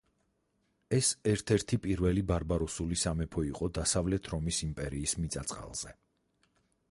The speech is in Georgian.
ეს ერთ-ერთი პირველი ბარბაროსული სამეფო იყო დასავლეთ რომის იმპერიის მიწა-წყალზე.